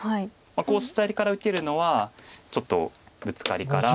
こう左から受けるのはちょっとブツカリから。